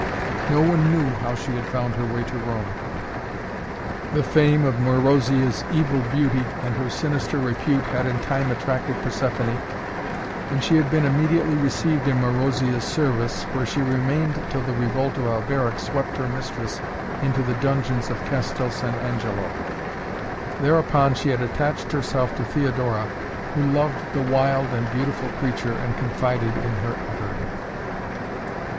No one knew how she had found her way to Rome. The fame of Marozia's evil beauty and her sinister repute had in time attracted Persephoné, and she had been immediately received in Marozia's service, where she remained till the revolt of Alberic swept her mistress into the dungeons of Castel San Angelo. Thereupon she had attached herself to Theodora who loved the wild and beautiful creature and confided in her utterly.